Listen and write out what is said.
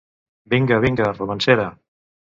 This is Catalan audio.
Vinga, vinga, romancera.